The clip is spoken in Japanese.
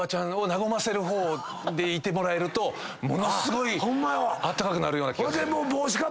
でいてもらえるとものすごいあったかくなるような気がする。